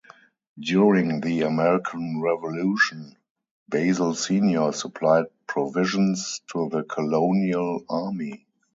During the American Revolution, Basil Senior supplied provisions to the Colonial Army.